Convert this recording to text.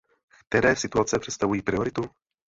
Které situace představují prioritu?